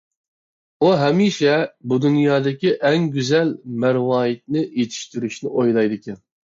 ئۇ ھەمىشە بۇ دۇنيادىكى ئەڭ گۈزەل مەرۋايىتنى يېتىشتۈرۈشنى ئويلايدىكەن.